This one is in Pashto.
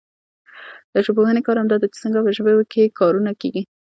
د ژبپوهني کار همدا دئ، چي څنګه په ژبه کښي ځیني کارونه کېږي.